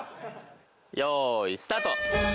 よいスタート。